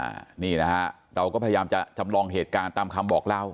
อันนี้นะฮะเราก็พยายามจะจำลองเหตุการณ์ตามคำบอกเล่า